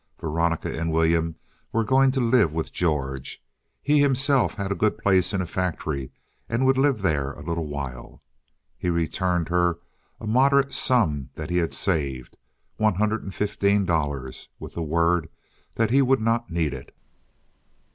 Veronica and William were going to live with George. He himself had a good place in a factory, and would live there a little while. He returned her a moderate sum that he had saved—one hundred and fifteen dollars—with the word that he would not need it.